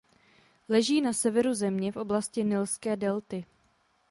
Leží na severu země v oblasti nilské delty.